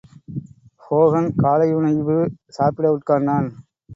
Hogan காலையுனைவு சாப்பிட உட்கார்ந்தான்.